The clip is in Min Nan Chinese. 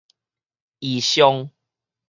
異象